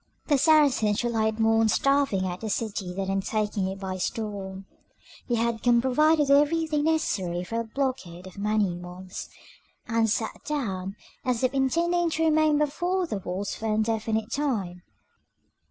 The Saracens relied more on starving out the city than on taking it by storm: they had come provided with everything necessary for a blockade of many months, and sat down as if intending to remain before the walls for an indefinite time.